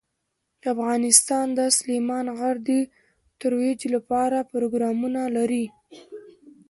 افغانستان د سلیمان غر د ترویج لپاره پروګرامونه لري.